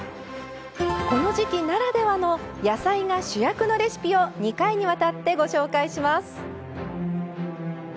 この時季ならではの「野菜が主役のレシピ」を２回にわたってご紹介します。